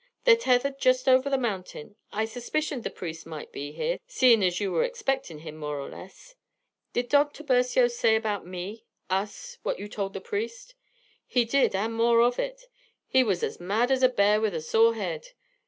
"They're tethered just over the mountain. I suspicioned the priest might be here, seein' as you were expectin' him, more or less." "Did Don Tiburcio say about me us what you told the priest?" "He did, and more of it. He was as mad as a bear with a sore head.